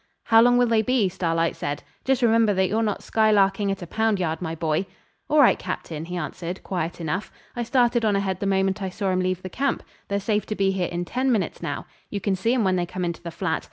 'How long will they be?' Starlight said. 'Just remember that you're not skylarking at a pound yard, my boy.' 'All right, Captain,' he answered, quiet enough. 'I started on ahead the moment I saw 'em leave the camp. They're safe to be here in ten minutes now. You can see 'em when they come into the flat.